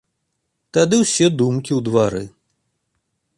Тады ўсе думкі ў двары.